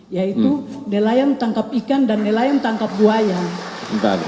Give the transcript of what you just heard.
yaitu nelayan tangkap ikan dan nelayan tangkap buaya